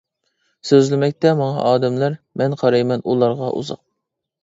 سۆزلىمەكتە ماڭا ئادەملەر، مەن قارايمەن ئۇلارغا ئۇزاق.